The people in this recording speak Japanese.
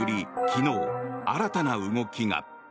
昨日、新たな動きが。